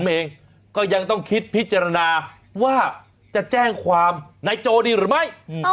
เองก็ยังต้องคิดพิจารณาว่าจะแจ้งความนายโจดีหรือไม่